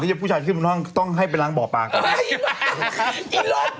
ตอนผู้ชายขึ้นนั่งต้องให้ไปล้างบ่อปลาก่อน